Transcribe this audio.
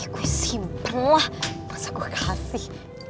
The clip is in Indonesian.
gue simpen lah masa gue kasih